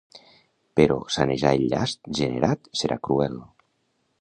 Però sanejar el llast generat serà cruel.